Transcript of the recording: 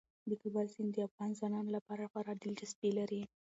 د کابل سیند د افغان ځوانانو لپاره خورا دلچسپي لري.